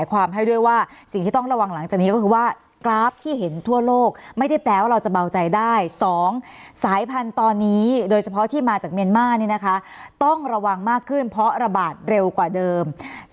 ว่าตอนนี้โดยเฉพาะที่มาจากเมียนม่าต้องระวังมากขึ้นเพราะระบาดเร็วกว่าเดิม